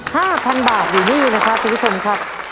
ห้าพันบาทอยู่นี่นะครับทุกคนครับ